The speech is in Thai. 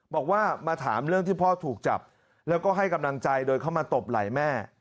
บอกว่ามาถามเรื่องที่พ่อถูกจับแล้วก็ให้กำลังใจโดยเข้ามาตบไหล่แม่